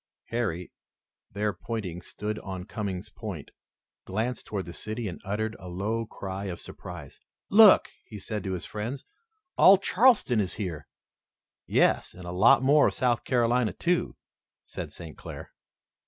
Harry their battery stood on Coming's Point glanced toward the city and uttered a low cry of surprise. "Look!" he said to his friends, "all Charleston is here." "Yes, and a lot more of South Carolina, too," said St. Clair.